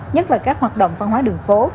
nhất là các hoạt động văn hóa đường phố